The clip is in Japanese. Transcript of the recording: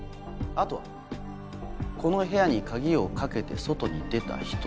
あとはこの部屋に鍵を掛けて外に出た人だけ。